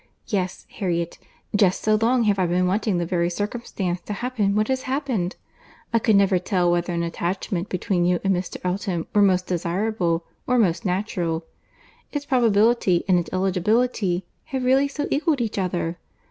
Yes, Harriet, just so long have I been wanting the very circumstance to happen that has happened. I could never tell whether an attachment between you and Mr. Elton were most desirable or most natural. Its probability and its eligibility have really so equalled each other!